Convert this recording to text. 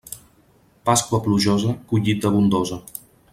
Pasqua plujosa, collita abundosa.